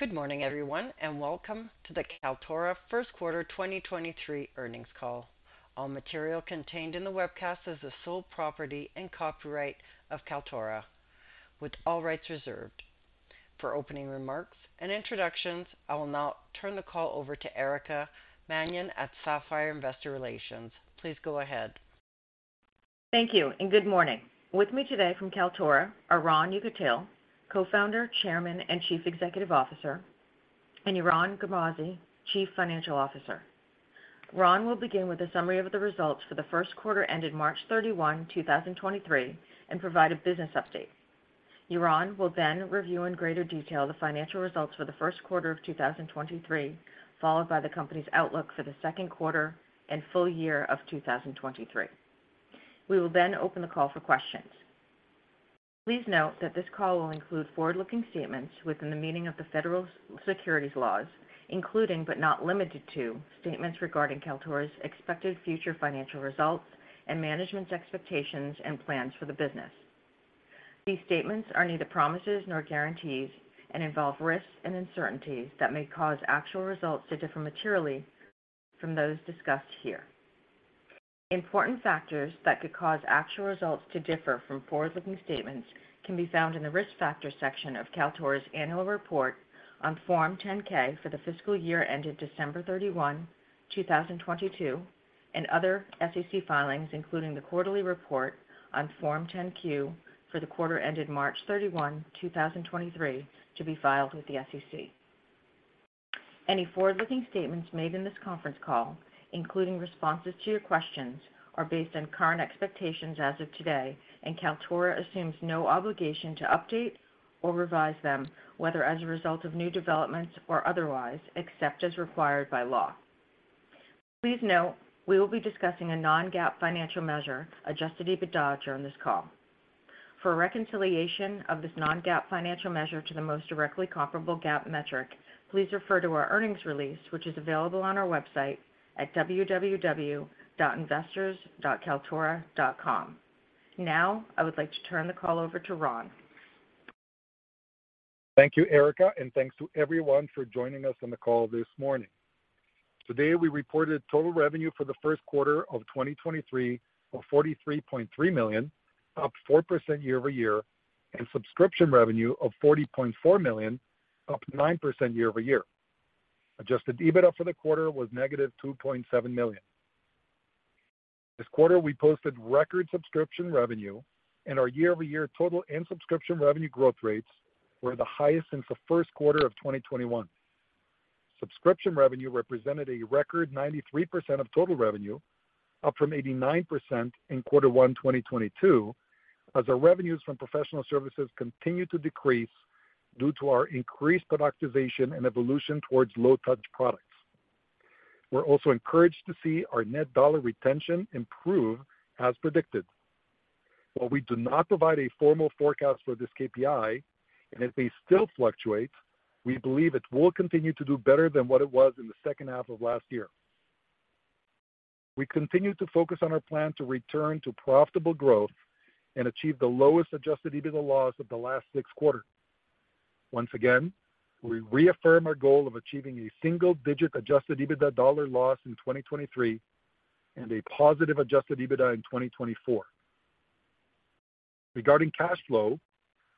Good morning, everyone, and welcome to the Kaltura First Quarter 2023 Earnings Call. All material contained in the webcast is the sole property and copyright of Kaltura, with all rights reserved. For opening remarks and introductions, I will now turn the call over to Erica Mannion at Sapphire Investor Relations. Please go ahead. Thank you and good morning. With me today from Kaltura are Ron Yekutiel, Co-founder, Chairman, and Chief Executive Officer, and Yaron Garmazi, Chief Financial Officer. Ron will begin with a summary of the results for the 1st quarter ended March 31, 2023, and provide a business update. Yaron will then review in greater detail the financial results for the first quarter of 2023, followed by the company's outlook for the 2nd quarter and full year of 2023. We will then open the call for questions. Please note that this call will include forward-looking statements within the meaning of the Federal Securities laws, including but not limited to, statements regarding Kaltura's expected future financial results and management's expectations and plans for the business. These statements are neither promises nor guarantees and involve risks and uncertainties that may cause actual results to differ materially from those discussed here. Important factors that could cause actual results to differ from forward-looking statements can be found in the Risk Factors section of Kaltura's Annual Report on Form 10-K for the fiscal year ended December 31, 2022, and other SEC filings, including the quarterly report on Form 10-Q for the quarter ended March 31, 2023, to be filed with the SEC. Any forward-looking statements made in this conference call, including responses to your questions, are based on current expectations as of today, Kaltura assumes no obligation to update or revise them, whether as a result of new developments or otherwise, except as required by law. Please note, we will be discussing a non-GAAP financial measure, adjusted EBITDA, during this call. For a reconciliation of this non-GAAP financial measure to the most directly comparable GAAP metric, please refer to our earnings release, which is available on our website at www.investors.kaltura.com. I would like to turn the call over to Ron. Thank you, Erica, and thanks to everyone for joining us on the call this morning. Today, we reported total revenue for the first quarter of 2023 of $43.3 million, up 4% year-over-year, and subscription revenue of $40.4 million, up 9% year-over-year. adjusted EBITDA for the quarter was negative $2.7 million. This quarter, we posted record subscription revenue, and our year-over-year total and subscription revenue growth rates were the highest since the first quarter of 2021. Subscription revenue represented a record 93% of total revenue, up from 89% in Q1 2022, as our revenues from professional services continued to decrease due to our increased productization and evolution towards low-touch products. We're also encouraged to see our net dollar retention improve as predicted. While we do not provide a formal forecast for this KPI, and it may still fluctuate, we believe it will continue to do better than what it was in the second half of last year. We continue to focus on our plan to return to profitable growth and achieve the lowest adjusted EBITDA loss of the last six quarters. Once again, we reaffirm our goal of achieving a single-digit adjusted EBITDA dollar loss in 2023 and a positive adjusted EBITDA in 2024. Regarding cash flow,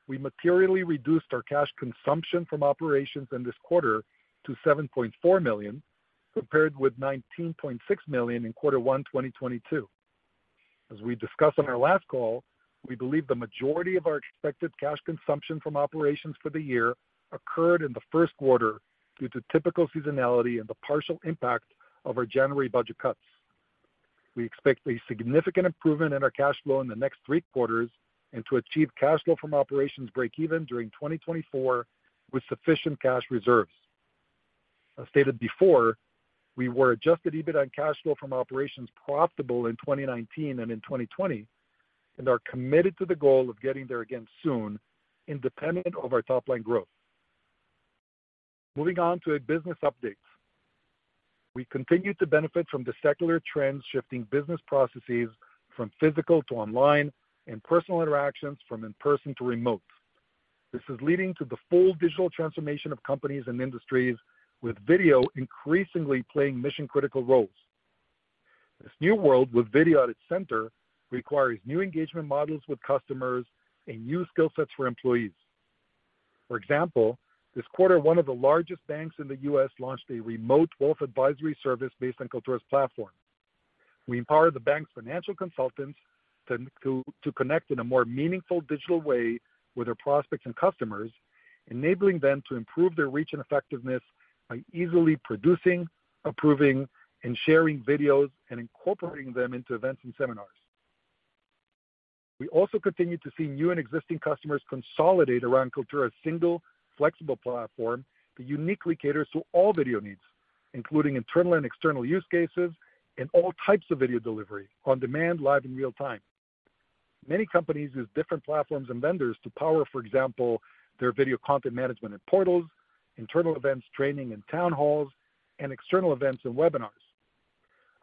we materially reduced our cash consumption from operations in this quarter to $7.4 million, compared with $19.6 million in Q1, 2022. As we discussed on our last call, we believe the majority of our expected cash consumption from operations for the year occurred in the first quarter due to typical seasonality and the partial impact of our January budget cuts. We expect a significant improvement in our cash flow in the next three quarters and to achieve cash flow from operations breakeven during 2024 with sufficient cash reserves. As stated before, we were adjusted EBITDA and cash flow from operations profitable in 2019 and in 2020 and are committed to the goal of getting there again soon independent of our top-line growth. Moving on to business updates. We continue to benefit from the secular trends shifting business processes from physical to online and personal interactions from in-person to remote. This is leading to the full digital transformation of companies and industries with video increasingly playing mission-critical roles. This new world with video at its center requires new engagement models with customers and new skill sets for employees. For example, this quarter, one of the largest banks in the U.S. launched a remote wealth advisory service based on Kaltura's platform. We empower the bank's financial consultants to connect in a more meaningful digital way with their prospects and customers, enabling them to improve their reach and effectiveness by easily producing, approving, and sharing videos and incorporating them into events and seminars. We also continue to see new and existing customers consolidate around Kaltura's single flexible platform that uniquely caters to all video needs, including internal and external use cases and all types of video delivery on-demand, live, and real-time. Many companies use different platforms and vendors to power, for example, their video content management and portals, internal events, training, and town halls, and external events and webinars.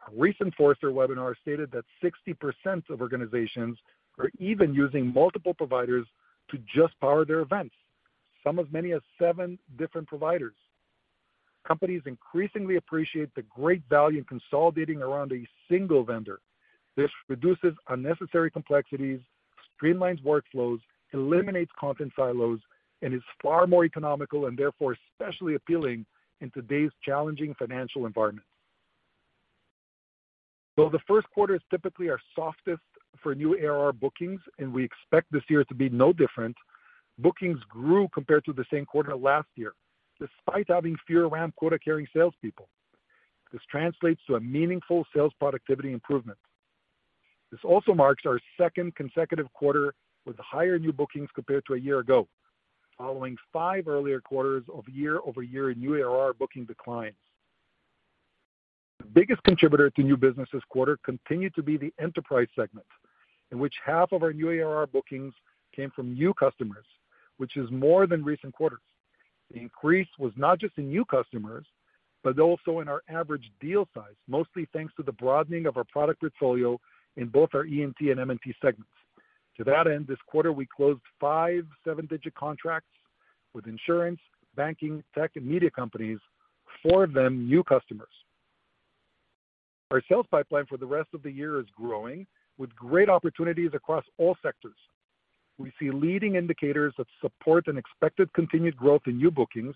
A recent Forrester webinar stated that 60% of organizations are even using multiple providers to just power their events, some as many as 7 different providers. Companies increasingly appreciate the great value in consolidating around a single vendor. This reduces unnecessary complexities, streamlines workflows, eliminates content silos, and is far more economical and therefore especially appealing in today's challenging financial environment. Though the first quarter is typically our softest for new ARR bookings, and we expect this year to be no different, bookings grew compared to the same quarter last year, despite having fewer ARR quota-carrying salespeople. This translates to a meaningful sales productivity improvement. This also marks our second consecutive quarter with higher new bookings compared to a year ago, following five earlier quarters of year-over-year new ARR booking declines. The biggest contributor to new business this quarter continued to be the Enterprise segment, in which half of our new ARR bookings came from new customers, which is more than recent quarters. The increase was not just in new customers, but also in our average deal size, mostly thanks to the broadening of our product portfolio in both our ENT and M&T segments. To that end, this quarter, we closed five seven-digit contracts with insurance, banking, tech, and media companies, four of them new customers. Our sales pipeline for the rest of the year is growing with great opportunities across all sectors. We see leading indicators that support an expected continued growth in new bookings,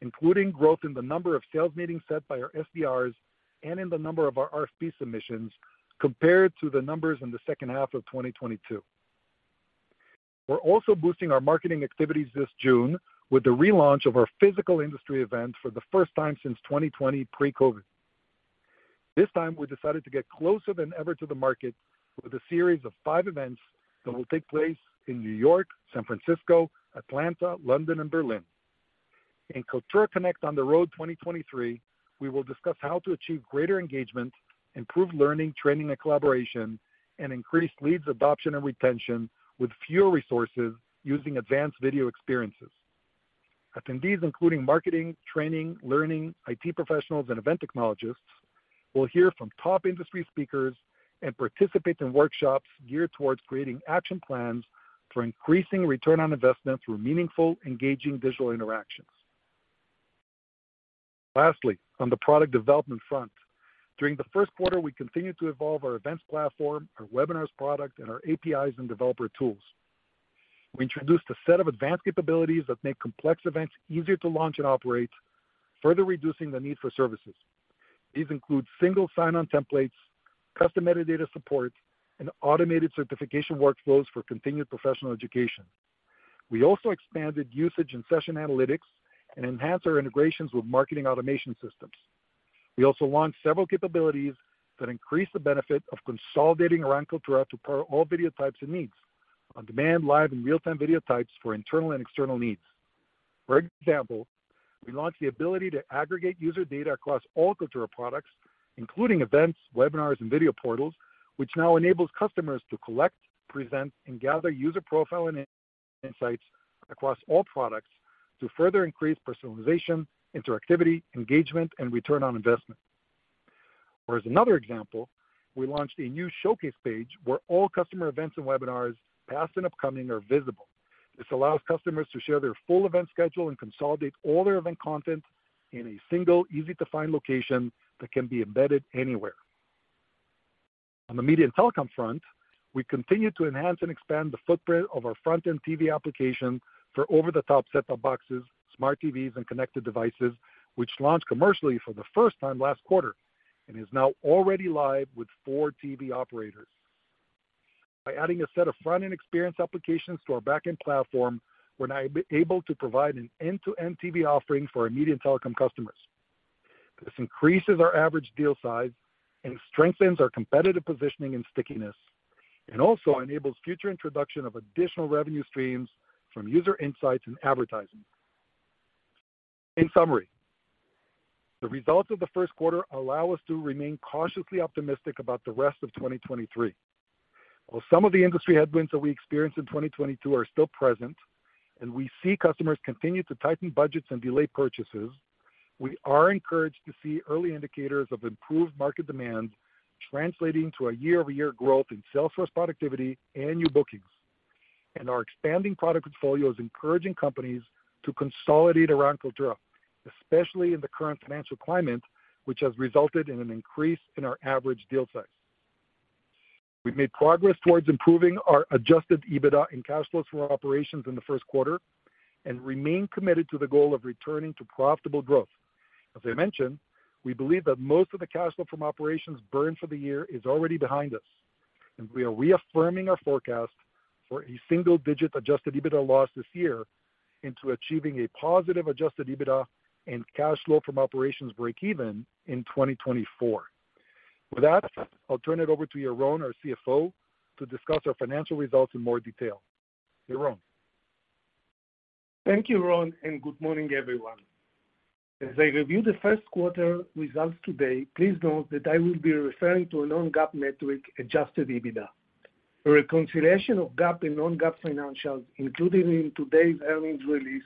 including growth in the number of sales meetings set by our SDRs and in the number of our RFP submissions compared to the numbers in the second half of 2022. We're also boosting our marketing activities this June with the relaunch of our physical industry event for the first time since 2020 pre-COVID. This time, we decided to get closer than ever to the market with a series of five events that will take place in New York, San Francisco, Atlanta, London, and Berlin. In Kaltura Connect On The Road 2023, we will discuss how to achieve greater engagement, improve learning, training, and collaboration, and increase leads, adoption, and retention with fewer resources using advanced video experiences. Attendees, including marketing, training, learning, IT professionals, and event technologists, will hear from top industry speakers and participate in workshops geared towards creating return on investment through meaningful, engaging visual interactions. Lastly, on the product development front, during the first quarter, we continued to evolve our events platform, our webinars product, and our APIs and developer tools. We introduced a set of advanced capabilities that make complex events easier to launch and operate, further reducing the need for services. These include single sign-on templates, custom metadata support, and automated certification workflows for continued professional education. We also expanded usage in session analytics and enhanced our integrations with marketing automation systems. We also launched several capabilities that increase the benefit of consolidating around Kaltura to power all video types and needs. On-demand, live, and real-time video types for internal and external needs. For example, we launched the ability to aggregate user data across all Kaltura products, including events, webinars, and video portals, which now enables customers to collect, present, and gather user profile and insights across all products to further increase personalization, interactivity, engagement, and return on investment. As another example, we launched a new showcase page where all customer events and webinars, past and upcoming, are visible. This allows customers to share their full event schedule and consolidate all their event content in a single, easy-to-find location that can be embedded anywhere. On the media and telecom front, we continue to enhance and expand the footprint of our front-end TV application for over-the-top set-top boxes, smart TVs, and connected devices, which launched commercially for the first time last quarter and is now already live with 4 TV operators. By adding a set of front-end experience applications to our back-end platform, we're now able to provide an end-to-end TV offering for our Media and Telecom customers. This increases our average deal size and strengthens our competitive positioning and stickiness and also enables future introduction of additional revenue streams from user insights and advertising. In summary, the results of the first quarter allow us to remain cautiously optimistic about the rest of 2023. While some of the industry headwinds that we experienced in 2022 are still present, and we see customers continue to tighten budgets and delay purchases, we are encouraged to see early indicators of improved market demand translating to a year-over-year growth in sales force productivity and new bookings. Our expanding product portfolio is encouraging companies to consolidate around Kaltura, especially in the current financial climate, which has resulted in an increase in our average deal size. We've made progress towards improving our adjusted EBITDA and cash flows from our operations in the first quarter and remain committed to the goal of returning to profitable growth. As I mentioned, we believe that most of the cash flow from operations burn for the year is already behind us, and we are reaffirming our forecast for a single-digit adjusted EBITDA loss this year into achieving a positive adjusted EBITDA and cash flow from operations breakeven in 2024. With that, I'll turn it over to Yaron, our CFO, to discuss our financial results in more detail. Yaron? Thank you, Ron, and good morning, everyone. As I review the first quarter results today, please note that I will be referring to a non-GAAP metric, adjusted EBITDA. A reconciliation of GAAP and non-GAAP financials included in today's earnings release,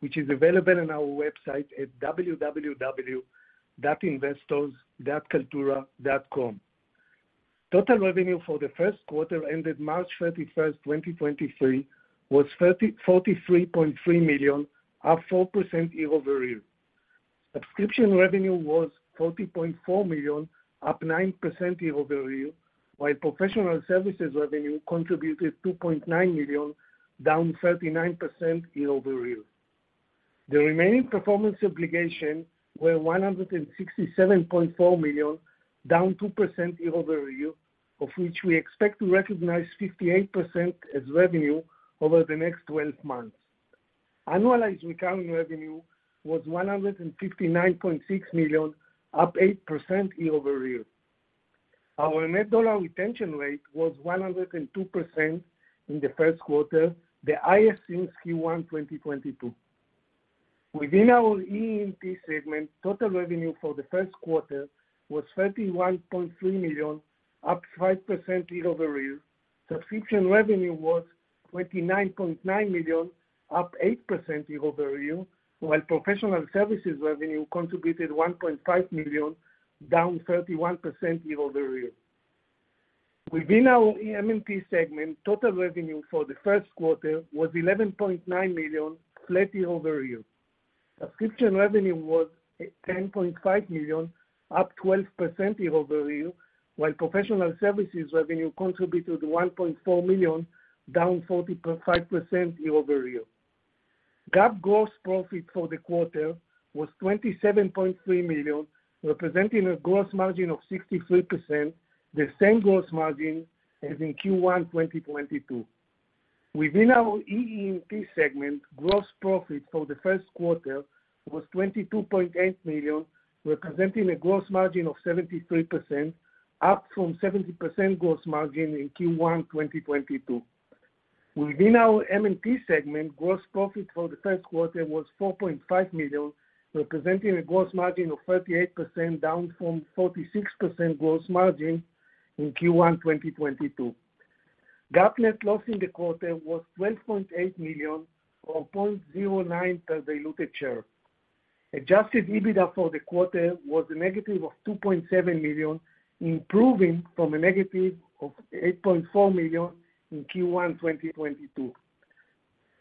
which is available on our website at investors.kaltura.com. Total revenue for the first quarter ended March 31, 2023 was $43.3 million, up 4% year-over-year. Subscription revenue was $40.4 million, up 9% year-over-year, while professional services revenue contributed $2.9 million, down 39% year-over-year. The remaining performance obligation were $167.4 million, down 2% year-over-year, of which we expect to recognize 58% as revenue over the next 12 months. Annualized recurring revenue was $159.6 million, up 8% year-over-year. Our net dollar retention rate was 102% in the first quarter, the highest since Q1, 2022. Within our EE&T segment, total revenue for the first quarter was $31.3 million, up 5% year-over-year. Subscription revenue was $29.9 million, up 8% year-over-year, while professional services revenue contributed $1.5 million, down 31% year-over-year. Within our M&T segment, total revenue for the first quarter was $11.9 million, flat year-over-year. Subscription revenue was $10.5 million, up 12% year-over-year, while professional services revenue contributed $1.4 million, down 45% year-over-year. GAAP gross profit for the quarter was $27.3 million, representing a gross margin of 63%, the same gross margin as in Q1 2022. Within our EE&T segment, gross profit for the first quarter was $22.8 million, representing a gross margin of 73%, up from 70% gross margin in Q1 2022. Within our M&T segment, gross profit for the first quarter was $4.5 million, representing a gross margin of 38%, down from 46% gross margin in Q1 2022. GAAP net loss in the quarter was $12.8 million, or $0.09 per diluted share. adjusted EBITDA for the quarter was a negative of $2.7 million, improving from a negative of $8.4 million in Q1 2022.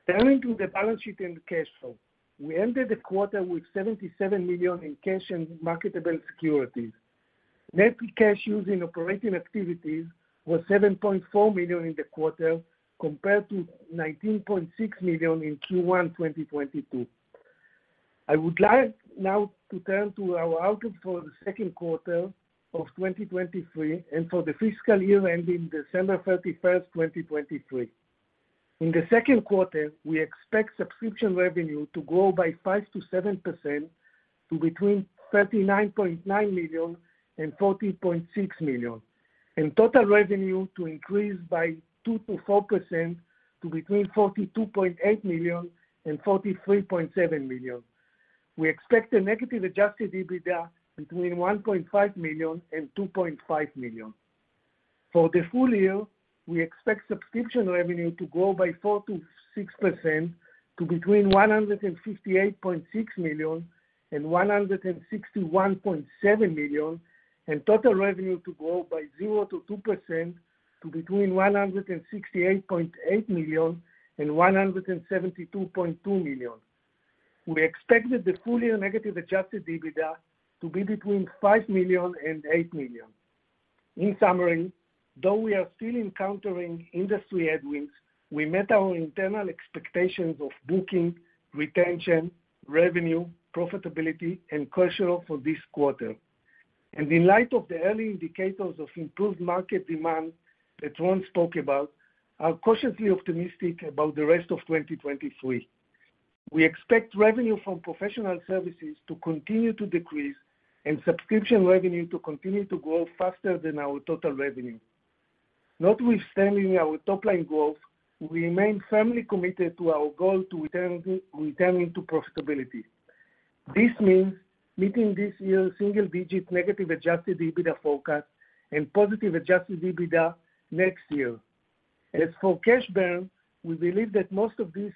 Turning to the balance sheet and cash flow. We ended the quarter with $77 million in cash and marketable securities. Net cash used in operating activities was $7.4 million in the quarter compared to $19.6 million in Q1, 2022. I would like now to turn to our outlook for the second quarter of 2023 and for the fiscal year ending December 31st, 2023. In the second quarter, we expect subscription revenue to grow by 5%-7% to between $39.9 million and $40.6 million, and total revenue to increase by 2%-4% to between $42.8 million and $43.7 million. We expect a negative adjusted EBITDA between $1.5 million and $2.5 million. For the full year, we expect subscription revenue to grow by 4%-6% to between $158.6 million and $161.7 million, and total revenue to grow by 0%-2% to between $168.8 million and $172.2 million. We expected the full year negative adjusted EBITDA to be between $5 million and $8 million. In summary, though we are still encountering industry headwinds, we met our internal expectations of booking, retention, revenue, profitability, and cash flow for this quarter. In light of the early indicators of improved market demand that Ron spoke about, are cautiously optimistic about the rest of 2023. We expect revenue from professional services to continue to decrease and subscription revenue to continue to grow faster than our total revenue. Notwithstanding our top-line growth, we remain firmly committed to our goal to returning to profitability. This means meeting this year's single-digit negative adjusted EBITDA forecast and positive adjusted EBITDA next year. As for cash burn, we believe that most of this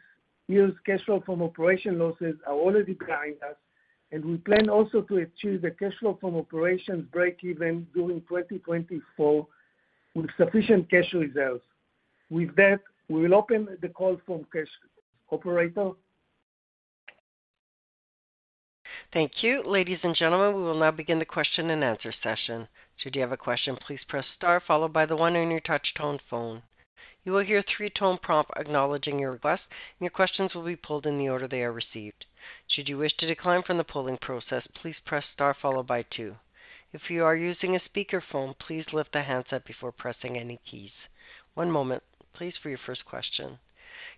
year's cash flow from operation losses are already behind us, and we plan also to achieve the cash flow from operations breakeven during 2024 with sufficient cash reserves. With that, we will open the call for operator? Thank you. Ladies and gentlemen, we will now begin the question and answer session. Should you have a question, please press star followed by the one on your touch tone phone. You will hear a three-tone prompt acknowledging your request, and your questions will be pulled in the order they are received. Should you wish to decline from the polling process, please press star followed by one. If you are using a speakerphone, please lift the handset before pressing any keys. One moment, please, for your first question.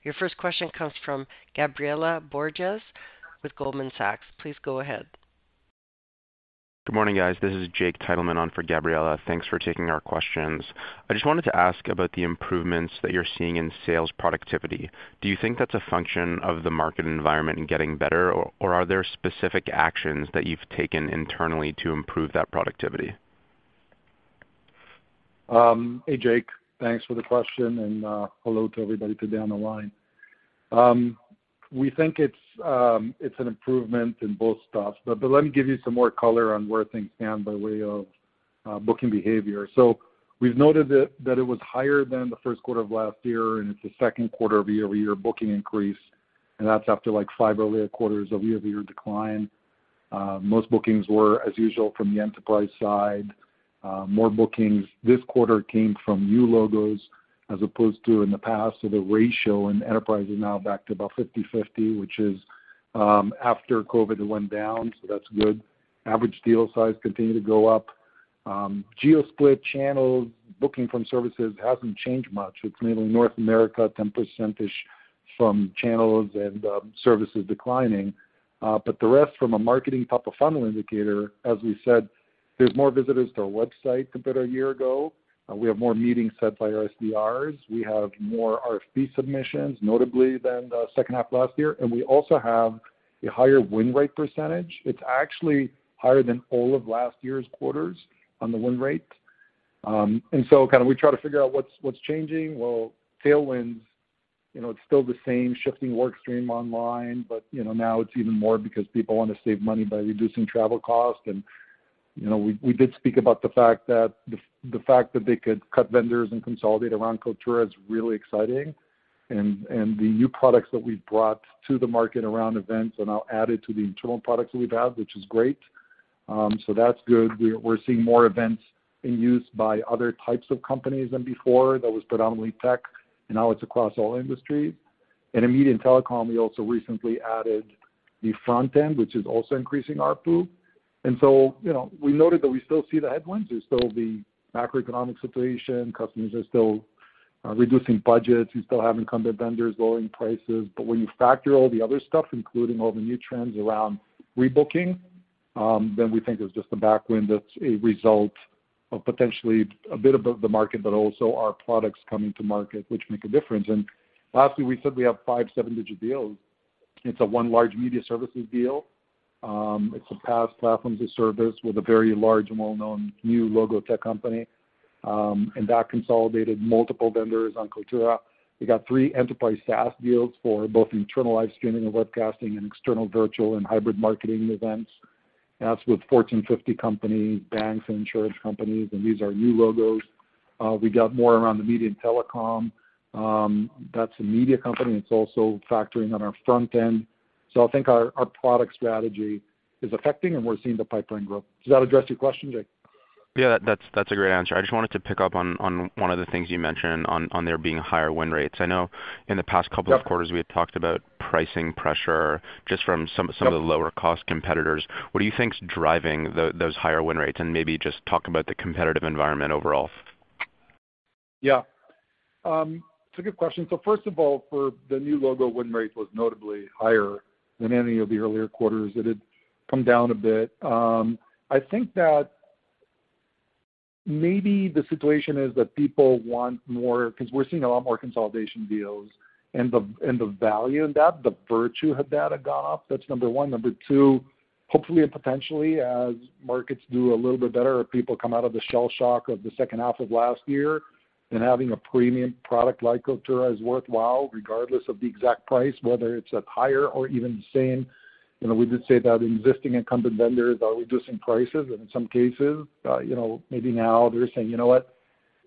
Your first question comes from Gabriela Borges with Goldman Sachs. Please go ahead. Good morning, guys. This is Jake Titleman on for Gabriela. Thanks for taking our questions. I just wanted to ask about the improvements that you're seeing in sales productivity. Do you think that's a function of the market environment getting better, or are there specific actions that you've taken internally to improve that productivity? Hey, Jake, thanks for the question, and hello to everybody today on the line. We think it's an improvement in both stuffs, but let me give you some more color on where things stand by way of booking behavior. We've noted that it was higher than the first quarter of last year, and it's the second quarter of year-over-year booking increase, and that's after like five earlier quarters of year-over-year decline. Most bookings were as usual from the enterprise side. More bookings this quarter came from new logos as opposed to in the past. The ratio in enterprise is now back to about 50/50, which is after COVID went down, so that's good. Average deal size continued to go up. Geo split channels, booking from services hasn't changed much. It's mainly North America, 10%-ish from channels and services declining. The rest from a marketing top of funnel indicator, as we said, there's more visitors to our website compared a year ago, and we have more meetings set by our SDRs. We have more RFP submissions, notably than the second half of last year, and we also have a higher win rate %. It's actually higher than all of last year's quarters on the win rate. Kind of we try to figure out what's changing. Well, tailwinds it's still the same shifting work stream online, but now it's even more because people wanna save money by reducing travel costs. We did speak about the fact that the fact that they could cut vendors and consolidate around Kaltura is really exciting. The new products that we've brought to the market around events are now added to the internal products that we've had, which is great. That's good. We're seeing more events being used by other types of companies than before. That was predominantly tech, and now it's across all industries. In Media and Telecom, we also recently added the front end, which is also increasing ARPU. We noted that we still see the headwinds. There's still the macroeconomic situation. Customers are still reducing budgets. We still having incumbent vendors lowering prices. When you factor all the other stuff, including all the new trends around rebooking, then we think it's just a backwind that's a result of potentially a bit above the market, but also our products coming to market, which make a difference. Lastly, we said we have 5 seven-digit deals. It's a 1 large media services deal. It's a PaaS platform as a service with a very large and well-known new logo tech company, and that consolidated multiple vendors on Kaltura. We got 3 enterprise SaaS deals for both internal live streaming and webcasting and external virtual and hybrid marketing events. That's with Fortune 50 companies, banks and insurance companies, and these are new logos. We got more around the media and telecom. That's a media company. It's also factoring on our front end. I think our product strategy is affecting and we're seeing the pipeline grow. Does that address your question, Jake? Yeah, that's a great answer. I just wanted to pick up on one of the things you mentioned on there being higher win rates. I know in the past couple of quarters we had talked about pricing pressure just from. Yeah. Some of the lower cost competitors. What do you think is driving those higher win rates? Maybe just talk about the competitive environment overall. Yeah. It's a good question. First of all, for the new logo, win rates was notably higher than any of the earlier quarters. It had come down a bit. I think that maybe the situation is that people want more because we're seeing a lot more consolidation deals and the value in that, the virtue of that had gone up. That's number one. Number two, hopefully and potentially as markets do a little bit better, people come out of the shell shock of the second half of last year and having a premium product like Kaltura is worthwhile regardless of the exact price, whether it's at higher or even the same. We did say that existing incumbent vendors are reducing prices and in some cases maybe now they're saying, "You know what?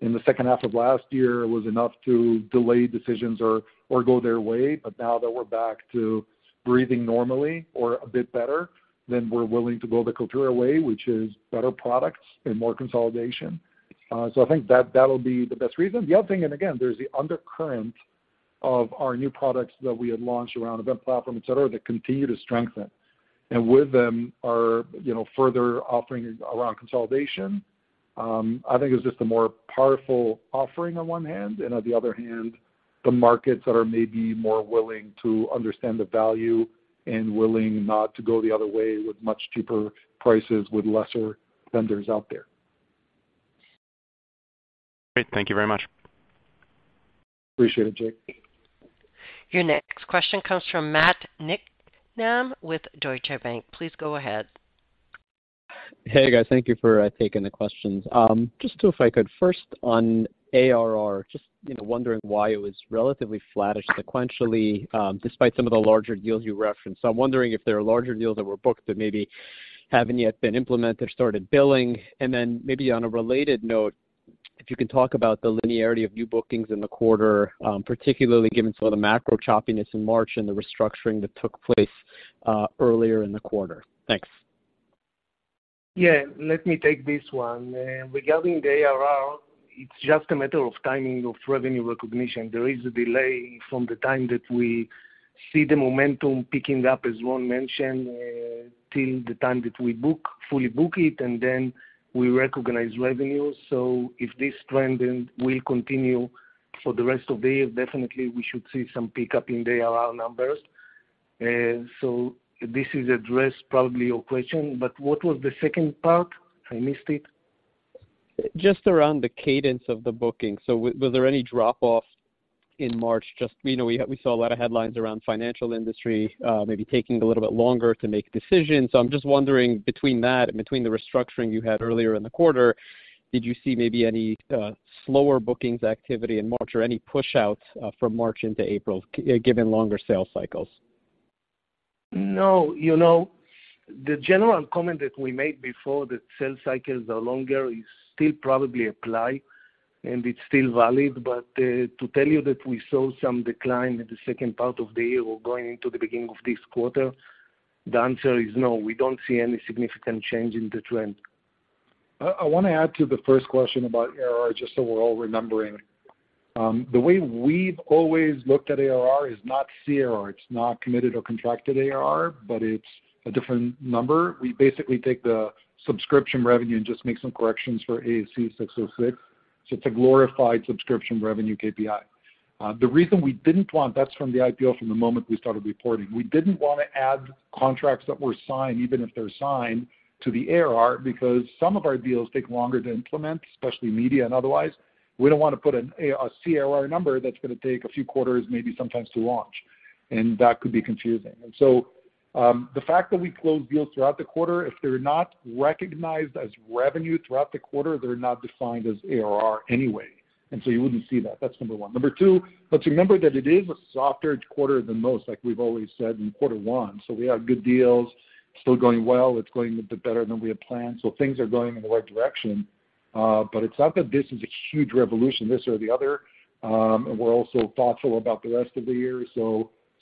In the second half of last year was enough to delay decisions or go their way. Now that we're back to breathing normally or a bit better, then we're willing to go the Kaltura way, which is better products and more consolidation. I think that'll be the best reason. The other thing, and again, there's the undercurrent of our new products that we had launched around event platform, et cetera, that continue to strengthen. With them are further offering around consolidation. I think it's just a more powerful offering on one hand and on the other hand, the markets that are maybe more willing to understand the value and willing not to go the other way with much cheaper prices, with lesser vendors out there. Great. Thank you very much. Appreciate it, Jake. Your next question comes from Matt Niknam with Deutsche Bank. Please go ahead. Hey, guys. Thank you for taking the questions. Just if I could first on ARR, just wondering why it was relatively flattish sequentially, despite some of the larger deals you referenced. I'm wondering if there are larger deals that were booked that maybe haven't yet been implemented, started billing. Maybe on a related note, if you can talk about the linearity of new bookings in the quarter, particularly given some of the macro choppiness in March and the restructuring that took place earlier in the quarter. Thanks. Yeah. Let me take this one. Regarding the ARR, it's just a matter of timing of revenue recognition. There is a delay from the time that we see the momentum picking up, as Ron mentioned, till the time that we book, fully book it, and then we recognize revenue. If this trend then will continue for the rest of the year, definitely we should see some pickup in the ARR numbers. This is addressed probably your question, but what was the second part? I missed it. Just around the cadence of the booking. Were there any drop-offs in March, just we saw a lot of headlines around financial industry, maybe taking a little bit longer to make decisions. I'm just wondering, between that and between the restructuring you had earlier in the quarter, did you see maybe any slower bookings activity in March or any push outs from March into April given longer sales cycles? No. The general comment that we made before that sales cycles are longer is still probably apply, and it's still valid. To tell you that we saw some decline in the second part of the year or going into the beginning of this quarter, the answer is no, we don't see any significant change in the trend. I wanna add to the first question about ARR, just so we're all remembering. The way we've always looked at ARR is not CRR. It's not committed or contracted ARR, but it's a different number. We basically take the subscription revenue and just make some corrections for ASC 606, so it's a glorified subscription revenue KPI. The reason, that's from the IPO from the moment we started reporting, we didn't wanna add contracts that were signed, even if they're signed, to the ARR because some of our deals take longer to implement, especially media and otherwise. We don't wanna put a CRR number that's gonna take a few quarters maybe sometimes to launch, and that could be confusing. The fact that we close deals throughout the quarter, if they're not recognized as revenue throughout the quarter, they're not defined as ARR anyway. You wouldn't see that's number one. Number two, let's remember that it is a softer quarter than most, like we've always said in quarter one. We have good deals still going well. It's going a bit better than we had planned, things are going in the right direction. It's not that this is a huge revolution, this or the other. We're also thoughtful about the rest of the year,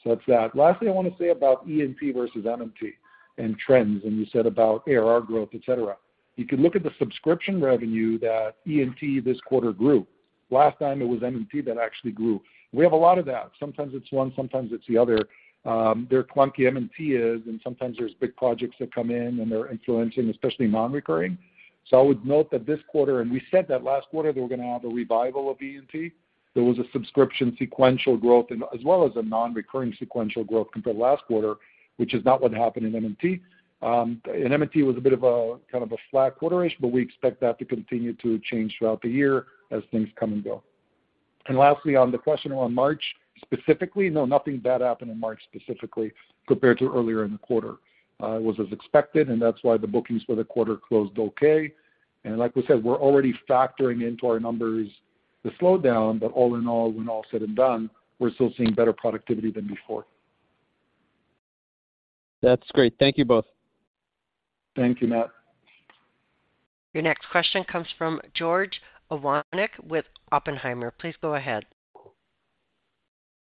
such that. Lastly, I wanna say about E&P versus M&T and trends, and you said about ARR growth, et cetera. You can look at the subscription revenue that E&P this quarter grew. Last time it was M&T that actually grew. We have a lot of that. Sometimes it's one, sometimes it's the other. They're clunky, M&T is, and sometimes there's big projects that come in and they're influencing, especially non-recurring. I would note that this quarter, and we said that last quarter, that we're gonna have a revival of EE&T. There was a subscription sequential growth and as well as a non-recurring sequential growth compared to last quarter, which is not what happened in M&T. M&T was a bit of a kind of a flat quarter-ish, but we expect that to continue to change throughout the year as things come and go. Lastly, on the question on March specifically, no, nothing bad happened in March specifically compared to earlier in the quarter. It was as expected, and that's why the bookings for the quarter closed okay. Like we said, we're already factoring into our numbers the slowdown, but all in all, when all is said and done, we're still seeing better productivity than before. That's great. Thank you both. Thank you, Matt. Your next question comes from George Iwanyc with Oppenheimer. Please go ahead.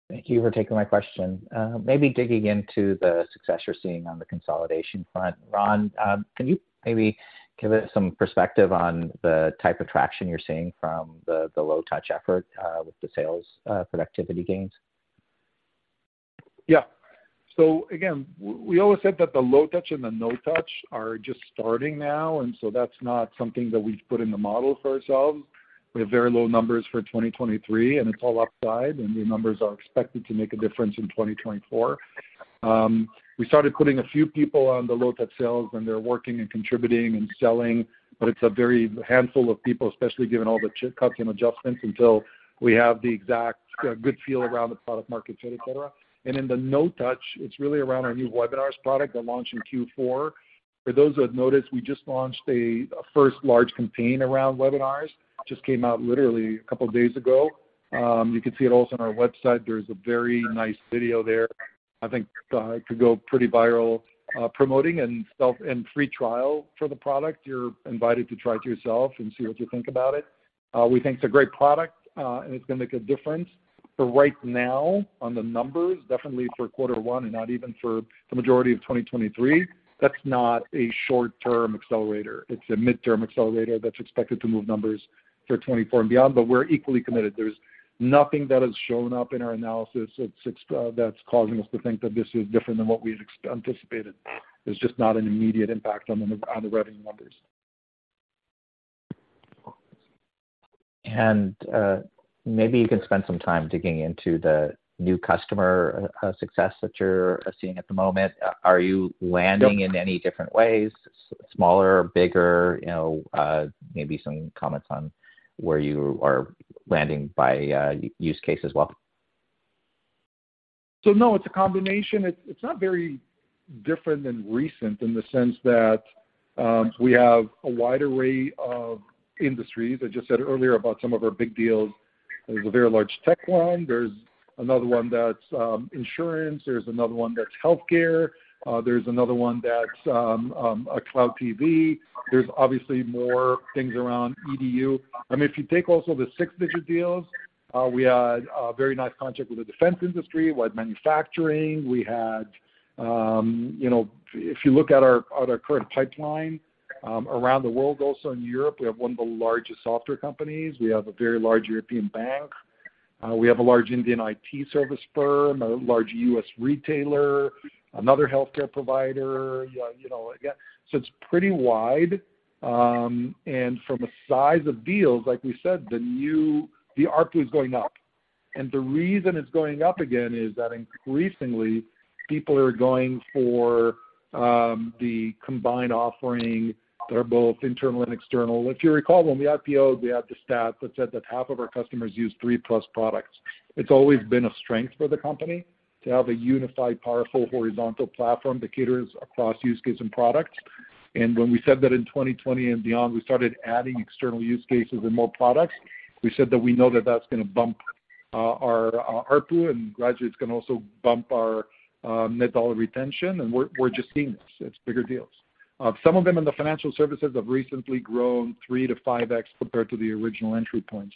Thank you for taking my question. Maybe digging into the success you're seeing on the consolidation front, Ron, can you maybe give us some perspective on the type of traction you're seeing from the low-touch effort with the sales productivity gains? Yeah. Again, we always said that the low touch and the no touch are just starting now, that's not something that we've put in the model for ourselves. We have very low numbers for 2023, it's all upside, the numbers are expected to make a difference in 2024. We started putting a few people on the low-touch sales, they're working and contributing and selling, but it's a very handful of people, especially given all the custom adjustments until we have the exact good feel around the product market fit, et cetera. In the no touch, it's really around our new webinars product that launched in Q4. For those who have noticed, we just launched a first large campaign around webinars, just came out literally a couple days ago. You can see it also on our website. There's a very nice video there. I think it could go pretty viral, promoting and stuff and free trial for the product. You're invited to try it yourself and see what you think about it. We think it's a great product and it's gonna make a difference. For right now on the numbers, definitely for quarter one and not even for the majority of 2023, that's not a short-term accelerator. It's a midterm accelerator that's expected to move numbers for 2024 and beyond, but we're equally committed. There's nothing that has shown up in our analysis that's causing us to think that this is different than what we'd anticipated. There's just not an immediate impact on the revenue numbers. Maybe you can spend some time digging into the new customer success that you're seeing at the moment. Are you landing in any different ways, smaller or bigger? Maybe some comments on where you are landing by use case as well. No, it's a combination. It's not very different and recent in the sense that we have a wide array of industries. I just said earlier about some of our big deals. There's a very large tech one. There's another one that's insurance. There's another one that's healthcare. There's another one that's a cloud TV. There's obviously more things around EDU. I mean, if you take also the 6-digit deals, we had a very nice contract with the defense industry, we had manufacturing. We had, if you look at our current pipeline, around the world, also in Europe, we have one of the largest software companies. We have a very large European bank. We have a large Indian IT service firm, a large US retailer, another healthcare provider. Again, it's pretty wide. From a size of deals, like we said, the ARPU is going up. The reason it's going up again is that increasingly people are going for the combined offering. They're both internal and external. If you recall, when we IPO-ed, we had the stat that said that half of our customers use three-plus products. It's always been a strength for the company to have a unified, powerful horizontal platform that caters across use cases and products. When we said that in 2020 and beyond, we started adding external use cases and more products. We said that we know that that's gonna bump our ARPU, and gradually it's gonna also bump our net dollar retention, and we're just seeing this. It's bigger deals. Some of them in the financial services have recently grown 3x-5x compared to the original entry point.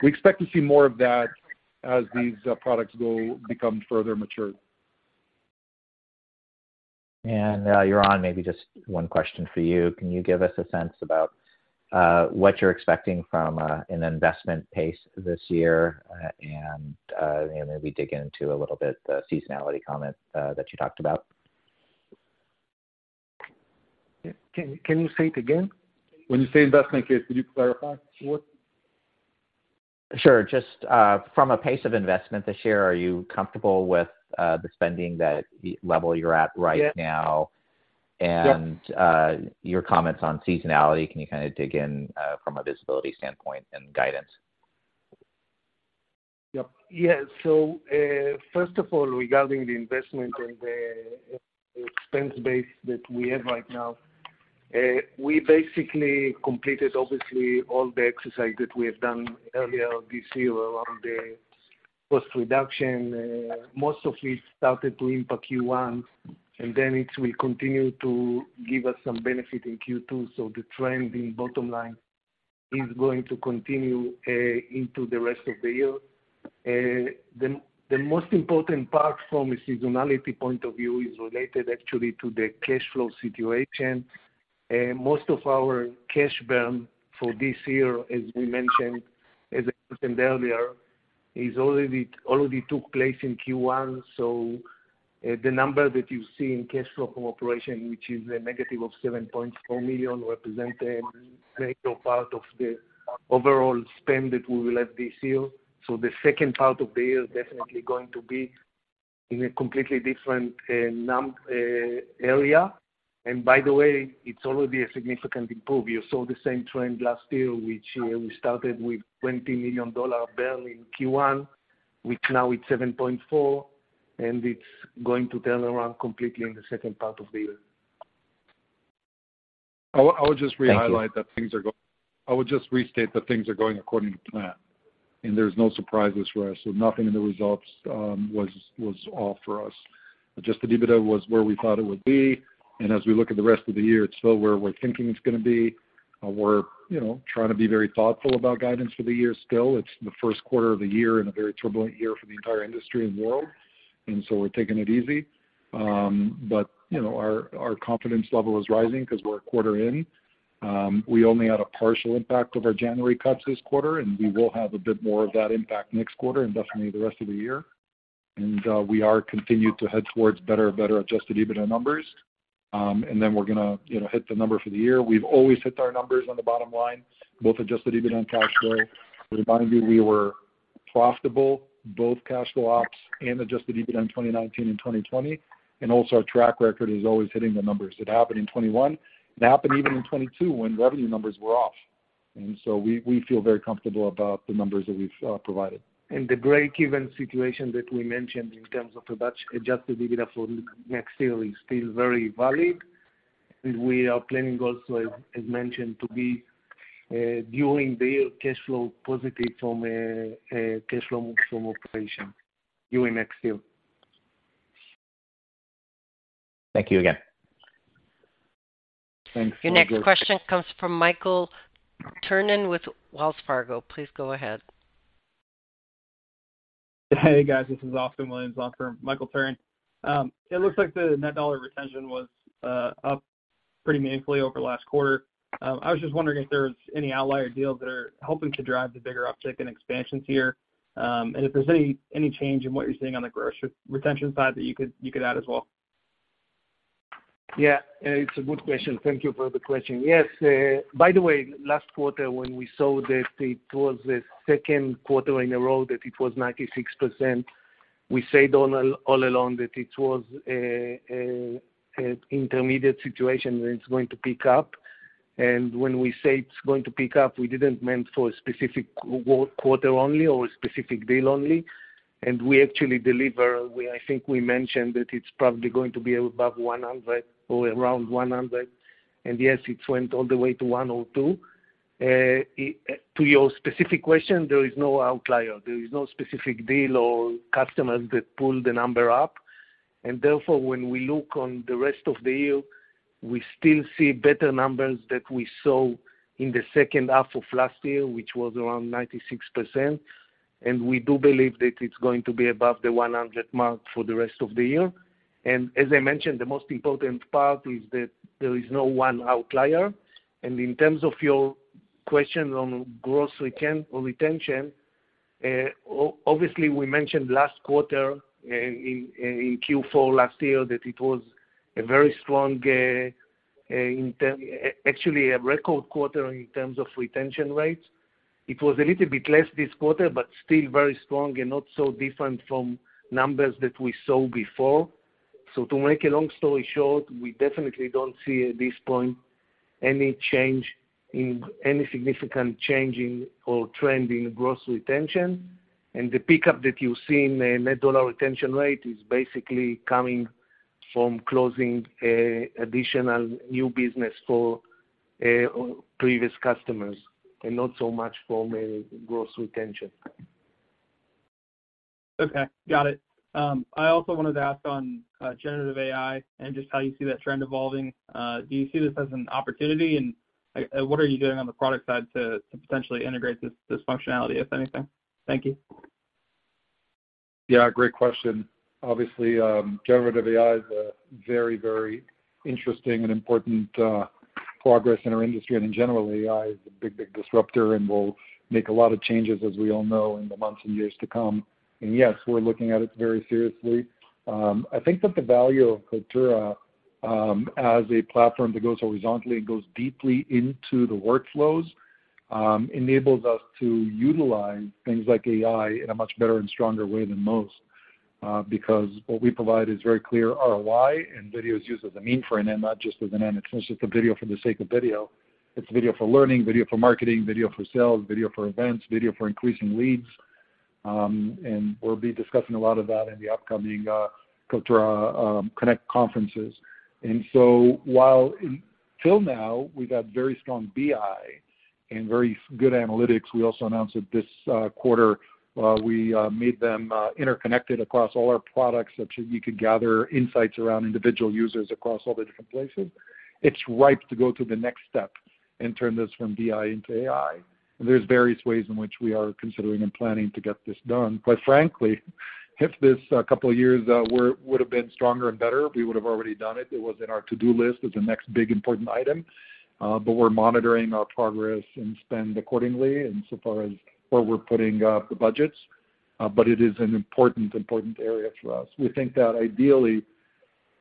We expect to see more of that as these products become further mature. Yaron, maybe just one question for you. Can you give us a sense about what you're expecting from an investment pace this year and maybe dig into a little bit the seasonality comment that you talked about? Can you say it again? When you say investment pace, could you clarify what? Sure. Just, from a pace of investment this year, are you comfortable with the spending that the level you're at right now? Yes. Your comments on seasonality, can you kind of dig in from a visibility standpoint and guidance? Yep. Yeah. First of all, regarding the investment and the expense base that we have right now, we basically completed obviously all the exercise that we have done earlier this year around the cost reduction. Most of it started to impact Q1, and then it will continue to give us some benefit in Q2. The trend in bottom line is going to continue into the rest of the year. The most important part from a seasonality point of view is related actually to the cash flow situation. Most of our cash burn for this year, as we mentioned, as I mentioned earlier, is already took place in Q1. The number that you see in cash flow from operation, which is a negative of $7.4 million, represent a greater part of the overall spend that we will have this year. The second part of the year is definitely going to be in a completely different area. By the way, it's already a significant improve. You saw the same trend last year, which we started with $20 million burn in Q1, which now it's $7.4 million, and it's going to turn around completely in the second part of the year. I would just restate that things are going according to plan, and there's no surprises for us. Nothing in the results was off for us. Adjusted EBITDA was where we thought it would be, and as we look at the rest of the year, it's still where we're thinking it's gonna be. We're trying to be very thoughtful about guidance for the year still. It's the first quarter of the year and a very turbulent year for the entire industry and world, we're taking it easy. Our confidence level is rising 'cause we're a quarter in. We only had a partial impact of our January cuts this quarter, and we will have a bit more of that impact next quarter and definitely the rest of the year. We are continued to head towards better adjusted EBITDA numbers, we're gonna hit the number for the year. We've always hit our numbers on the bottom line, both adjusted EBITDA and cash flow. Remind you, we were profitable, both cash flow ops and adjusted EBITDA in 2019 and 2020, and also our track record is always hitting the numbers. It happened in 2021. It happened even in 2022 when revenue numbers were off. So we feel very comfortable about the numbers that we've provided. The breakeven situation that we mentioned in terms of the batch adjusted EBITDA for next year is still very valid. We are planning also, as mentioned, to be during the year cash flow positive from cash flow from operation during next year. Thank you again. Thanks. Your next question comes from Michael Turrin with Wells Fargo. Please go ahead. Hey, guys. This is Austin Williams on for Michael Turrin. It looks like the net dollar retention was up pretty meaningfully over the last quarter. I was just wondering if there was any outlier deals that are helping to drive the bigger uptick in expansions here. If there's any change in what you're seeing on the gross re-retention side that you could add as well. Yeah, it's a good question. Thank you for the question. Yes, by the way, last quarter when we saw that it was the second quarter in a row that it was 96%, we said all along that it was a intermediate situation, and it's going to pick up. When we say it's going to pick up, we didn't meant for a specific quarter only or a specific deal only. We actually deliver. I think we mentioned that it's probably going to be above 100 or around 100. Yes, it went all the way to 102. To your specific question, there is no outlier. There is no specific deal or customers that pull the number up. Therefore, when we look on the rest of the year, we still see better numbers that we saw in the second half of last year, which was around 96%. We do believe that it's going to be above the 100 mark for the rest of the year. As I mentioned, the most important part is that there is no one outlier. In terms of your question on gross retention, obviously, we mentioned last quarter in Q4 last year that it was a very strong, actually a record quarter in terms of retention rates. It was a little bit less this quarter, but still very strong and not so different from numbers that we saw before. To make a long story short, we definitely don't see at this point any significant change in or trend in gross retention. The pickup that you see in the net dollar retention rate is basically coming from closing additional new business for previous customers and not so much from a gross retention. Okay, got it. I also wanted to ask on generative AI and just how you see that trend evolving. Do you see this as an opportunity? What are you doing on the product side to potentially integrate this functionality, if anything? Thank you. Yeah, great question. Obviously, generative AI is a very, very interesting and important progress in our industry. In general, AI is a big, big disruptor and will make a lot of changes, as we all know, in the months and years to come. Yes, we're looking at it very seriously. I think that the value of Kaltura as a platform that goes horizontally and goes deeply into the workflows enables us to utilize things like AI in a much better and stronger way than most. Because what we provide is very clear ROI and video is used as a mean for an end, not just as an end. It's not just a video for the sake of video. It's video for learning, video for marketing, video for sales, video for events, video for increasing leads. And we'll be discussing a lot of that in the upcoming Kaltura Connect conferences. While till now we've had very strong BI and very good analytics, we also announced that this quarter, we made them interconnected across all our products such as you could gather insights around individual users across all the different places. It's ripe to go to the next step and turn this from BI into AI. There's various ways in which we are considering and planning to get this done. Frankly, if this couple of years would have been stronger and better, we would have already done it. It was in our to-do list as the next big important item. We're monitoring our progress and spend accordingly and so far as where we're putting the budgets, but it is an important area for us. We think that ideally,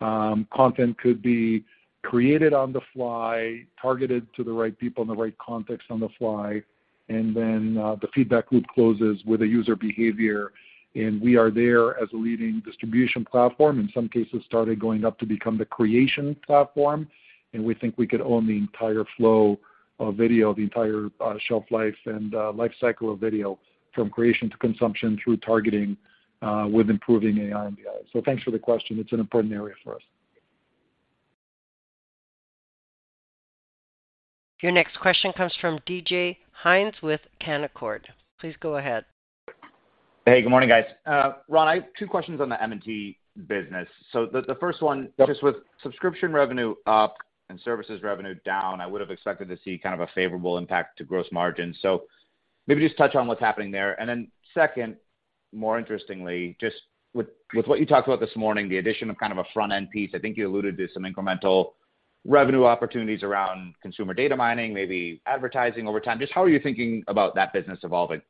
content could be created on the fly, targeted to the right people in the right context on the fly, then the feedback loop closes with a user behavior. We are there as a leading distribution platform, in some cases started going up to become the creation platform. We think we could own the entire flow of video, the entire shelf life and life cycle of video from creation to consumption through targeting with improving AI and BI. Thanks for the question. It's an important area for us. Your next question comes from DJ Hynes with Canaccord. Please go ahead. Hey, good morning, guys. Ron, I have two questions on the M&T business. The first one. Yep. Just with subscription revenue up and services revenue down, I would have expected to see kind of a favorable impact to gross margin. Maybe just touch on what's happening there. Then second, more interestingly, just with what you talked about this morning, the addition of kind of a front-end piece, I think you alluded to some incremental revenue opportunities around consumer data mining, maybe advertising over time. Just how are you thinking about that business evolving?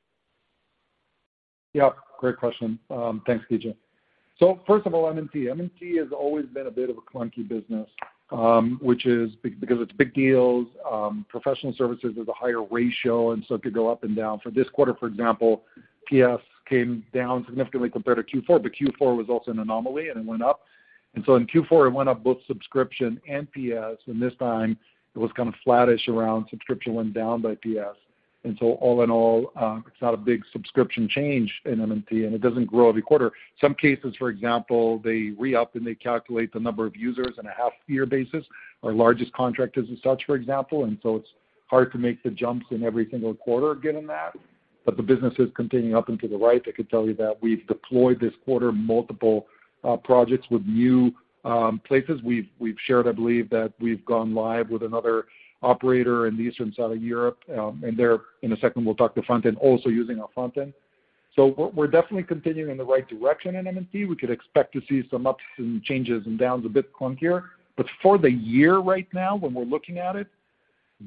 Great question. Thanks, DJ. First of all, M&T. M&T has always been a bit of a clunky business, which is because it's big deals, professional services is a higher ratio, and so it could go up and down. For this quarter, for example, PS came down significantly compared to Q4, but Q4 was also an anomaly, and it went up. In Q4, it went up both subscription and PS, and this time, it was kind of flattish around subscription went down by PS. All in all, it's not a big subscription change in M&T, and it doesn't grow every quarter. Some cases, for example, they re-up and they calculate the number of users in a half-year basis, our largest contractors and such, for example. It's hard to make the jumps in every single quarter given that. The business is continuing up and to the right. I could tell you that we've deployed this quarter multiple projects with new places. We've shared, I believe, that we've gone live with another operator in the eastern side of Europe, and in a second, we'll talk to front-end, also using our front-end. We're definitely continuing in the right direction in M&T. We could expect to see some ups and changes and downs a bit clunkier. For the year right now, when we're looking at it,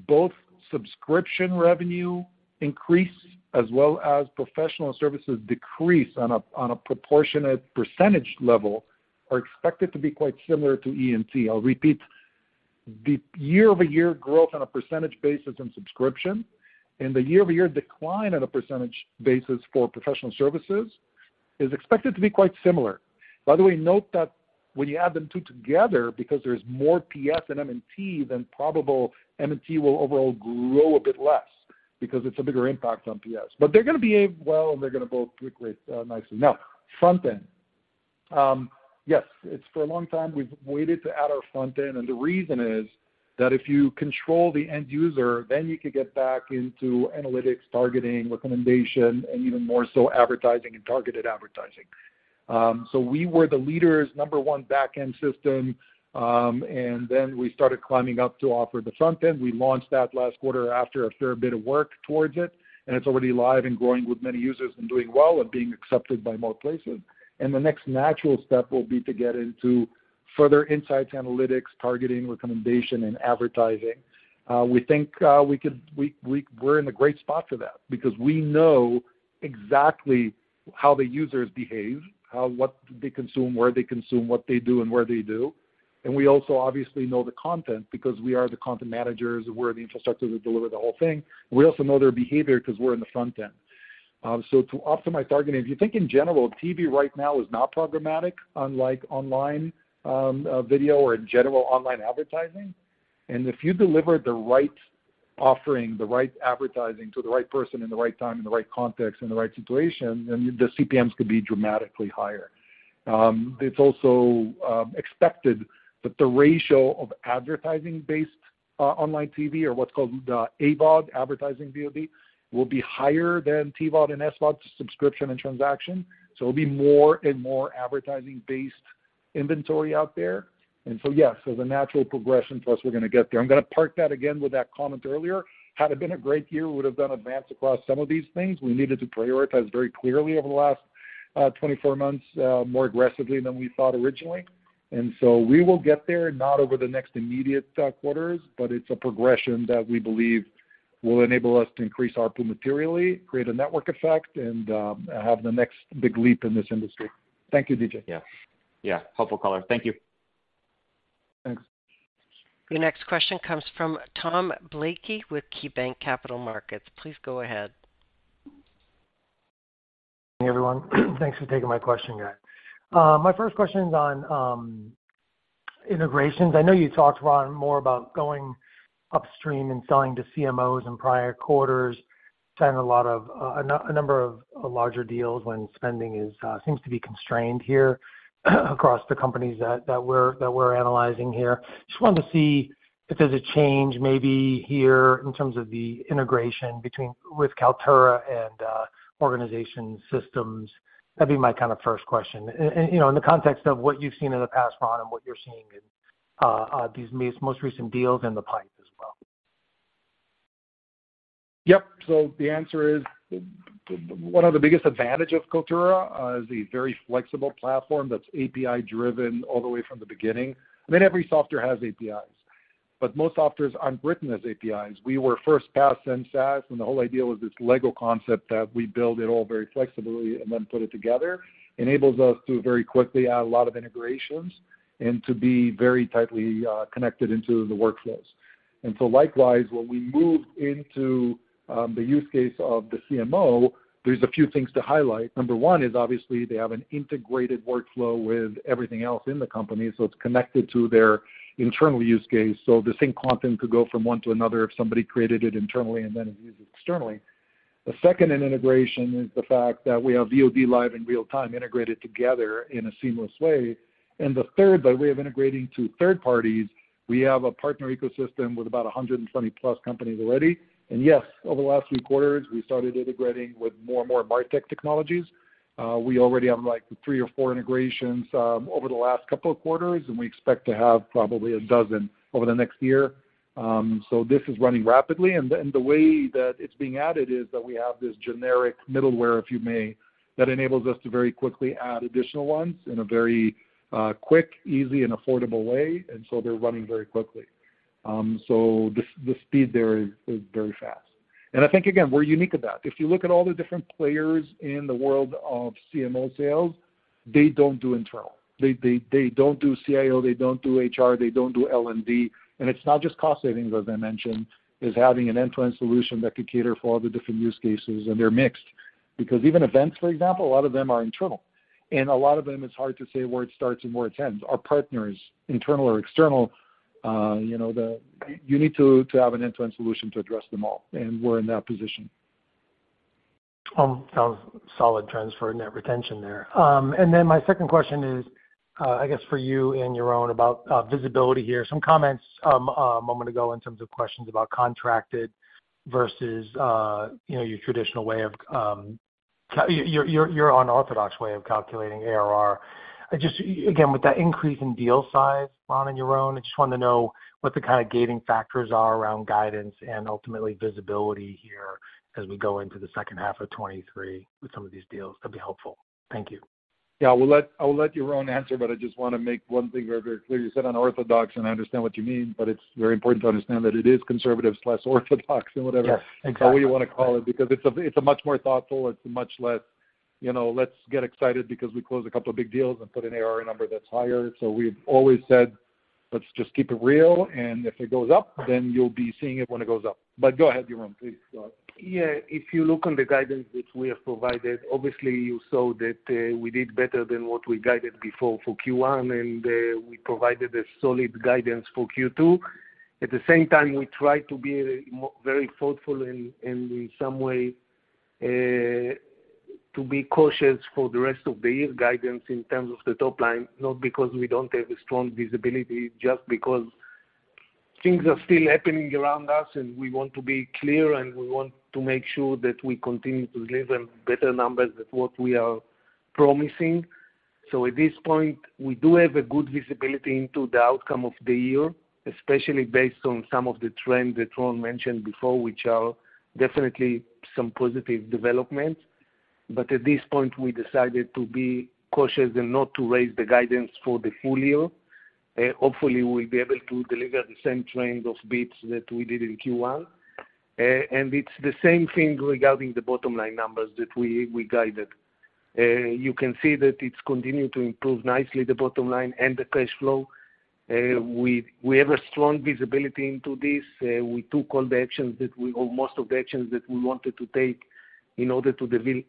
both subscription revenue increase as well as professional services decrease on a, on a proportionate percentage level are expected to be quite similar to E&T. I'll repeat, the year-over-year growth on a percentage basis in subscription and the year-over-year decline on a percentage basis for professional services is expected to be quite similar. By the way, note that when you add them 2 together, because there's more PS than M&T, then probable M&T will overall grow a bit less because it's a bigger impact on PS. They're gonna behave well, and they're gonna both look nicely. Front-end. Yes, it's for a long time we've waited to add our front-end, and the reason is that if you control the end user, then you could get back into analytics, targeting, recommendation, and even more so advertising and targeted advertising. We were the leaders, number 1 back-end system, and then we started climbing up to offer the front-end. We launched that last quarter after a fair bit of work towards it, and it's already live and growing with many users and doing well and being accepted by more places. The next natural step will be to get into further insights, analytics, targeting, recommendation, and advertising. We think we're in a great spot for that because we know exactly how the users behave, what they consume, where they consume, what they do and where they do. We also obviously know the content because we are the content managers, we're the infrastructure that deliver the whole thing. We also know their behavior because we're in the front end. So to optimize targeting, if you think in general, TV right now is not programmatic, unlike online, video or in general, online advertising. If you deliver the right offering, the right advertising to the right person in the right time, in the right context, in the right situation, then the CPMs could be dramatically higher. It's also expected that the ratio of advertising-based online TV, or what's called the AVOD, advertising VOD, will be higher than TVOD and SVOD, subscription and transaction. It'll be more and more advertising-based inventory out there. Yes, the natural progression to us, we're gonna get there. I'm gonna park that again with that comment earlier. Had it been a great year, we would have done advance across some of these things. We needed to prioritize very clearly over the last 24 months, more aggressively than we thought originally. We will get there, not over the next immediate quarters, but it's a progression that we believe will enable us to increase ARPU materially, create a network effect, and have the next big leap in this industry. Thank you, DJ. Yeah. Yeah, helpful color. Thank you. Thanks. Your next question comes from Tom Blakey with KeyBanc Capital Markets. Please go ahead. Hey, everyone. Thanks for taking my question, guys. My first question is on integrations. I know you talked, Ron, more about going upstream and selling to CMOs in prior quarters, signing a lot of a number of larger deals when spending is seems to be constrained here across the companies that we're analyzing here. Just wanted to see if there's a change maybe here in terms of the integration with Kaltura and organization systems. That'd be my kind of first question. In the context of what you've seen in the past, Ron, and what you're seeing in these most recent deals in the pipe as well. Yep. The answer is one of the biggest advantages of Kaltura is a very flexible platform that's API-driven all the way from the beginning. I mean, every software has APIs, but most softwares aren't written as APIs. We were first PaaS then SaaS, the whole idea was this Lego concept that we build it all very flexibly and then put it together, enables us to very quickly add a lot of integrations and to be very tightly connected into the workflows. Likewise, when we moved into the use case of the CMO, there's a few things to highlight. Number one is obviously they have an integrated workflow with everything else in the company, it's connected to their internal use case. The same content could go from one to another if somebody created it internally and then use it externally. The second in integration is the fact that we have VOD live in real-time integrated together in a seamless way. The third, by way of integrating to third parties, we have a partner ecosystem with about 120-plus companies already. Yes, over the last few quarters, we started integrating with more and more MarTech technologies. We already have, like, 3 or 4 integrations over the last couple of quarters, and we expect to have probably 12 over the next year. This is running rapidly. The way that it's being added is that we have this generic middleware, if you may, that enables us to very quickly add additional ones in a very quick, easy, and affordable way. They're running very quickly. The speed there is very fast. I think, again, we're unique at that. If you look at all the different players in the world of CMO sales, they don't do internal. They don't do CIO, they don't do HR, they don't do L&D. It's not just cost savings, as I mentioned. It's having an end-to-end solution that could cater for all the different use cases, and they're mixed. Because even events, for example, a lot of them are internal, and a lot of them, it's hard to say where it starts and where it ends. Our partners, internal or external you need to have an end-to-end solution to address them all, and we're in that position. Sounds solid transfer net retention there. My second question is, I guess for you and Yaron about visibility here. Some comments a moment ago in terms of questions about contracted versus your traditional way of your unorthodox way of calculating ARR. Again, with that increase in deal size, Ron and Yaron, I just wanted to know what the kind of gating factors are around guidance and ultimately visibility here as we go into the second half of 23 with some of these deals? That'd be helpful. Thank you. Yeah. I will let Yaron answer, but I just wanna make one thing very, very clear. You said unorthodox, and I understand what you mean, but it's very important to understand that it is conservative/orthodox or whatever- Yes, exactly. Or what you wanna call it, because it's a much more thoughtful, it's a much less, let's get excited because we closed a couple of big deals and put an ARR number that's higher. We've always said, "Let's just keep it real, and if it goes up, then you'll be seeing it when it goes up." Go ahead, Yaron, please go. Yeah. If you look on the guidance which we have provided, obviously, you saw that we did better than what we guided before for Q1, and we provided a solid guidance for Q2. At the same time, we try to be very thoughtful and in some way, to be cautious for the rest of the year guidance in terms of the top line, not because we don't have a strong visibility, just because things are still happening around us, and we want to be clear, and we want to make sure that we continue to deliver better numbers than what we are promising. At this point, we do have a good visibility into the outcome of the year, especially based on some of the trends that Ron mentioned before, which are definitely some positive developments. At this point, we decided to be cautious and not to raise the guidance for the full year. Hopefully, we'll be able to deliver the same trend of beats that we did in Q1. It's the same thing regarding the bottom line numbers that we guided. You can see that it's continuing to improve nicely, the bottom line and the cash flow. We have a strong visibility into this. We took all the actions that we or most of the actions that we wanted to take in order to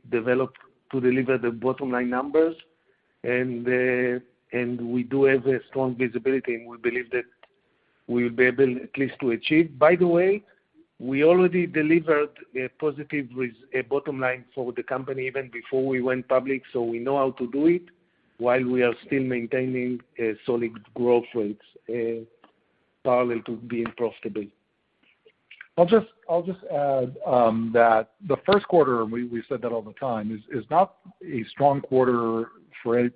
develop to deliver the bottom line numbers. We do have a strong visibility, and we believe that we'll be able at least to achieve. By the way, we already delivered a positive bottom line for the company even before we went public, so we know how to do it while we are still maintaining a solid growth rates parallel to being profitable. I'll just add that the first quarter, we said that all the time, is not a strong quarter for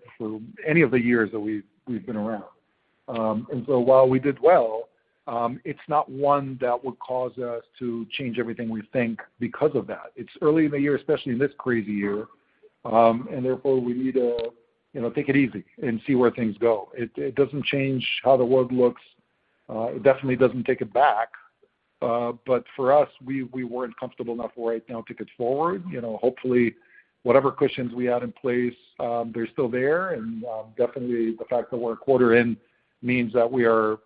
any of the years that we've been around. While we did well, it's not one that would cause us to change everything we think because of that. It's early in the year, especially in this crazy year, therefore we need to take it easy and see where things go. It doesn't change how the world looks. It definitely doesn't take it back. For us, we weren't comfortable enough right now to get forward. Hopefully, whatever cushions we had in place, they're still there, and definitely the fact that we're a quarter in means that we are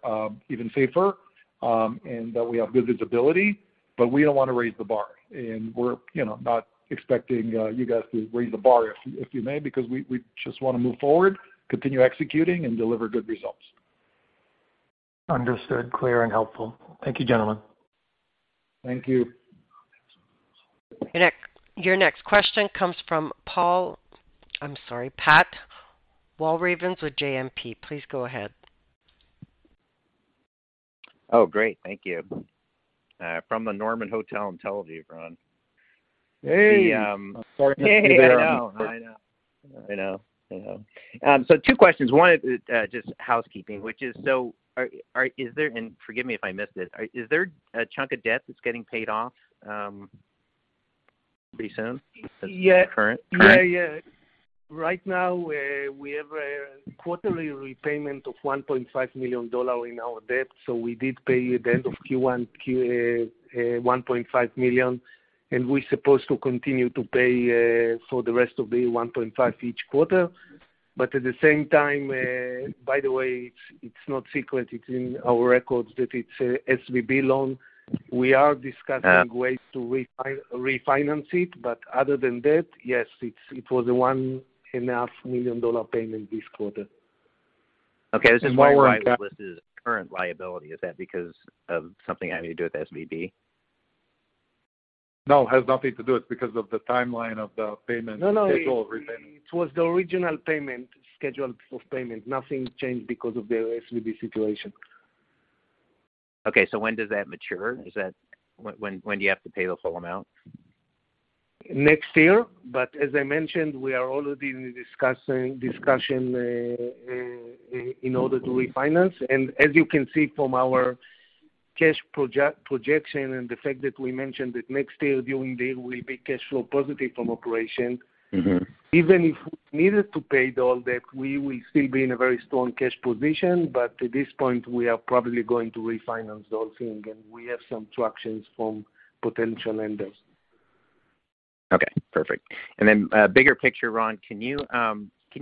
even safer and that we have good visibility. we don't wanna raise the bar. we're not expecting, you guys to raise the bar, if you may, because we just wanna move forward, continue executing and deliver good results. Understood. Clear and helpful. Thank you, gentlemen. Thank you. Your next question comes from Paul.I'm sorry, Pat Walravens with JMP. Please go ahead. Oh, great. Thank you. From the Norman Hotel in Tel Aviv, Ron. Hey. I'm sorry to hear that. I know. I know. I know. I know. Two questions. One is, just housekeeping, which is so is there, and forgive me if I missed it. Is there a chunk of debt that's getting paid off, pretty soon? Yeah. Current. Yeah. Right now, we have a quarterly repayment of $1.5 million in our debt, so we did pay at the end of Q1, $1.5 million, and we're supposed to continue to pay for the rest of the $1.5 each quarter. At the same time, by the way, it's not secret, it's in our records that it's SVB loan. We are discussing ways to refinance it. Other than that, yes, it was a one and a half million dollar payment this quarter. Okay. This is listed as current liability. Is that because of something having to do with SVB? No, it has nothing to do. It's because of the timeline of the payment- No, no. schedule repayment. It was the original payment, schedule of payment. Nothing changed because of the SVB situation. Okay. When does that mature? When do you have to pay the full amount? Next year. As I mentioned, we are already in the discussion in order to refinance. As you can see from our cash projection and the fact that we mentioned that next year will be cash flow positive from operation. Mm-hmm. Even if we needed to pay it all debt, we will still be in a very strong cash position, but at this point we are probably going to refinance the whole thing, and we have some traction from potential lenders. Okay, perfect. Then, bigger picture, Ron, can you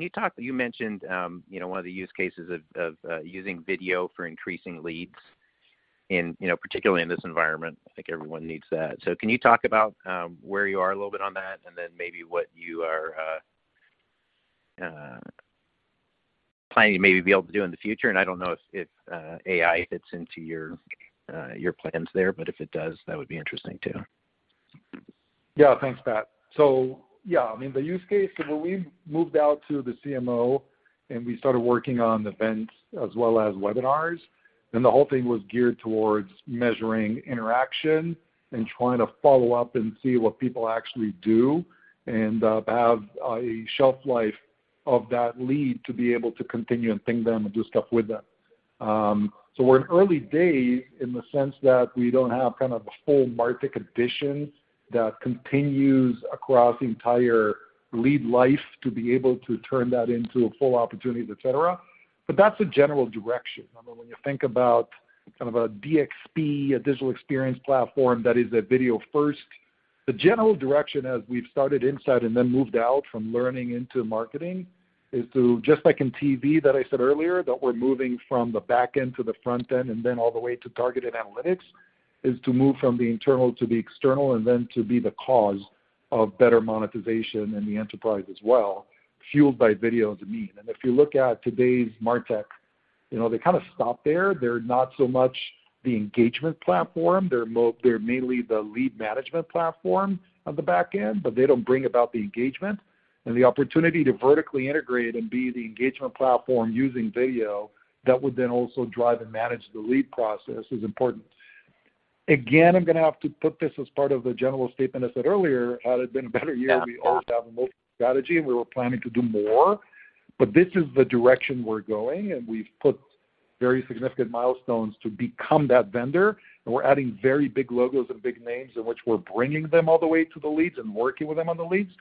talk, you mentioned one of the use cases of using video for increasing leads and particularly in this environment, I think everyone needs that. Can you talk about where you are a little bit on that then maybe what you are planning to maybe be able to do in the future? I don't know if AI fits into your plans there, but if it does, that would be interesting too. Yeah. Thanks, Pat. Yeah, I mean, the use case, when we moved out to the CMO and we started working on events as well as webinars, then the whole thing was geared towards measuring interaction and trying to follow up and see what people actually do and have a shelf life of that lead to be able to continue and ping them and do stuff with them. We're in early days in the sense that we don't have kind of the full MarTech addition that continues across the entire lead life to be able to turn that into full opportunities, et cetera. That's the general direction. I mean, when you think about kind of a DXP, a digital experience platform that is a video first, the general direction as we've started inside and then moved out from learning into marketing is to, just like in TV that I said earlier, that we're moving from the back end to the front end and then all the way to targeted analytics, is to move from the internal to the external and then to be the cause of better monetization in the enterprise as well, fueled by video as a mean. If you look at today's MarTech they stop there. They're not so much the engagement platform. They're mainly the lead management platform on the back end, but they don't bring about the engagement and the opportunity to vertically integrate and be the engagement platform using video that would then also drive and manage the lead process is important. Again, I'm gonna have to put this as part of the general statement I said earlier. Had it been a better year, we always have a multi strategy and we were planning to do more. This is the direction we're going, and we've put very significant milestones to become that vendor, and we're adding very big logos and big names in which we're bringing them all the way to the leads and working with them on the leads.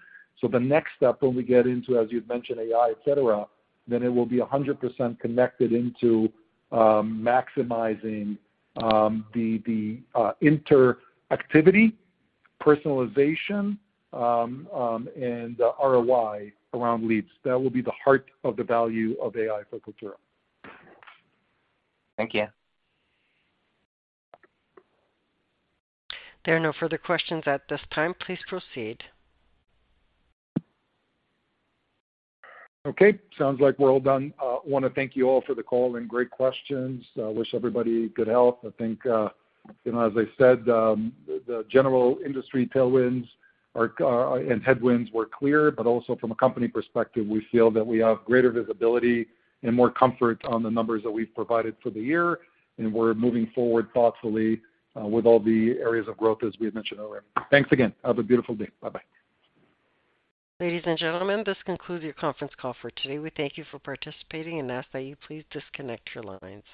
The next step when we get into, as you've mentioned, AI, et cetera, then it will be 100% connected into maximizing the interactivity, personalization, and ROI around leads. That will be the heart of the value of AI for Kaltura. Thank you. There are no further questions at this time. Please proceed. Okay, sounds like we're all done. Wanna thank you all for the call and great questions. Wish everybody good health. I think as I said, the general industry tailwinds are and headwinds were clear. Also from a company perspective, we feel that we have greater visibility and more comfort on the numbers that we've provided for the year. We're moving forward thoughtfully, with all the areas of growth as we had mentioned earlier. Thanks again. Have a beautiful day. Bye-bye. Ladies and gentlemen, this concludes your conference call for today. We thank you for participating and ask that you please disconnect your lines.